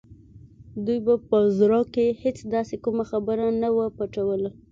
دوی به په زړه کې هېڅ داسې کومه خبره نه وه پټوله